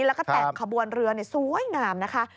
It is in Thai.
แล้วก็แต่งขบวนเรือสวยงามนะคะ